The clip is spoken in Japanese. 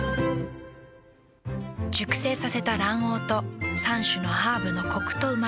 熟成させた卵黄と３種のハーブのコクとうま味。